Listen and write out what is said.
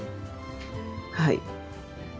はい。